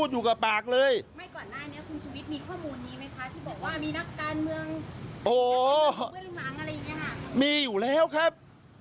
มันมาอยู่แล้วครับ